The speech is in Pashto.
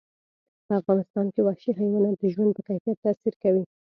په افغانستان کې وحشي حیوانات د ژوند په کیفیت تاثیر کوي.